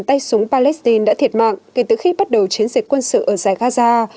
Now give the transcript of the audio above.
một mươi ba tay súng palestine đã thiệt mạng kể từ khi bắt đầu chiến dịch quân sự ở giải gaza